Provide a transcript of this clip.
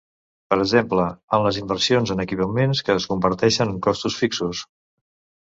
Per exemple en les inversions en equipaments, que es converteixen en costos fixos.